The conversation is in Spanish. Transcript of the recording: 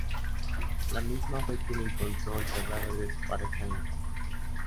La misma fue quien encontró el cadáver de su pareja en la cama.